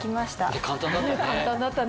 簡単だったね。